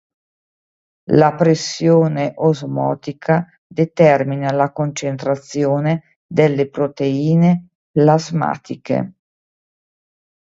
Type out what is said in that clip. La pressione osmotica determina la concentrazione delle proteine plasmatiche.